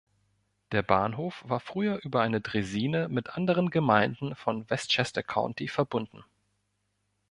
Der Bahnhof war früher über eine Draisine mit anderen Gemeinden von Westchester County verbunden.